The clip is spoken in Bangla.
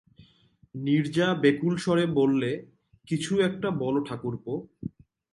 নীরজা ব্যাকুলস্বরে বললে, কিছু একটা বলো ঠাকুরপো।